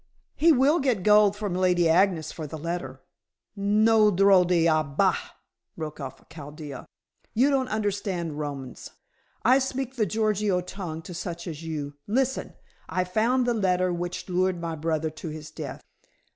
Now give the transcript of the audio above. "He will get gold from Lady Agnes for the letter." "No. Drodi ah bah!" broke off Chaldea. "You don't understand Romanes. I speak the Gorgio tongue to such as you. Listen! I found the letter which lured my brother to his death.